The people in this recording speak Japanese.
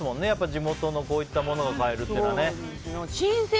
地元のこういったものが買えるというのは。